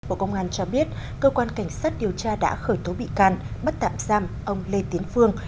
bộ công an cho biết cơ quan cảnh sát điều tra đã khởi tố bị can bắt tạm giam ông lê tiến phương